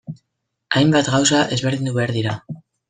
Hainbat gauza ezberdindu behar dira.